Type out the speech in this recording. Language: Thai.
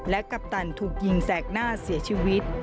กัปตันถูกยิงแสกหน้าเสียชีวิต